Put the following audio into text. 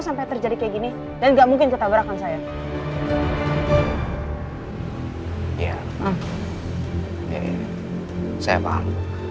sampai terjadi kayak gini dan nggak mungkin ketabrakan saya iya saya paham